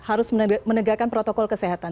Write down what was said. harus menegakkan protokol kesehatan